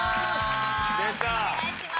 お願いします。